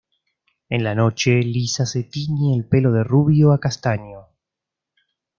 En la noche, Lisa se tiñe el pelo de rubio a castaño.